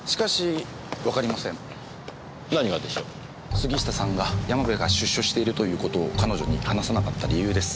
杉下さんが山部が出所しているということを彼女に話さなかった理由です。